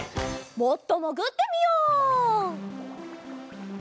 もっともぐってみよう。